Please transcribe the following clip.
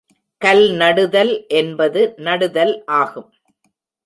கல்நடுதல் என்பது நடுதல் ஆகும்.